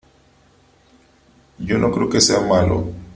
yo no creo que sea malo